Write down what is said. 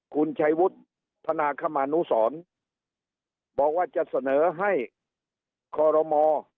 คุณชัยวุฒิธนาคมานุสรบอกว่าจะเสนอให้คอรมอ